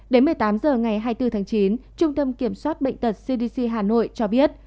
đến một mươi tám h ngày hai mươi bốn tháng chín trung tâm kiểm soát bệnh tật cdc hà nội cho biết